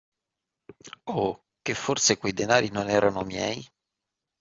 Oh che forse quei denari non erano miei?